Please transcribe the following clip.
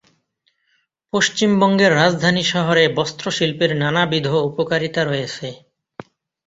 পশ্চিমবঙ্গের রাজধানী শহরে বস্ত্র শিল্পের নানাবিধ উপকারিতা রয়েছে।